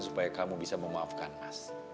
supaya kamu bisa memaafkan mas